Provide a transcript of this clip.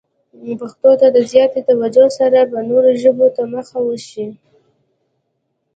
پښتو ته د زیاتې توجه سره به نورو ژبو ته مخه وشي.